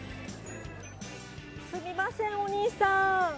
すみません、お兄さん。